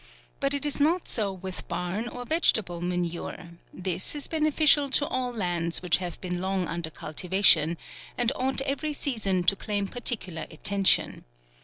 But it is not so with barn or vegetable manure ; this is beneficial to all lands which have been long under cultivation, and ought every sea son to claim particular attention.